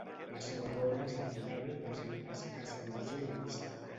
La seva vora és afilada i presenta escassa erosió a la vista.